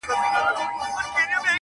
چی هر لوري ته یې مخ سي موږ منلی،